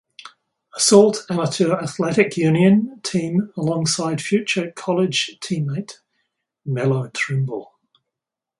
Assault Amateur Athletic Union team alongside future college teammate Melo Trimble.